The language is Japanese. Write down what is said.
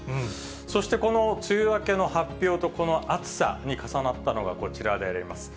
そしてこの梅雨明けの発表とこの暑さに重なったのが、こちらであります。